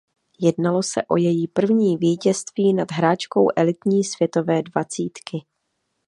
Jednalo se o její první vítězství nad hráčkou elitní světové dvacítky.